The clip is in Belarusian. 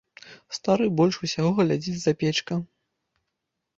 Стары больш усяго глядзіць запечка.